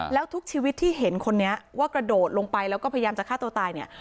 แล้วทุกชีวิตที่เห็นคนนี้ว่ากระโดดลงไปแล้วก็พยายามจะฆ่าตัวตายเนี่ย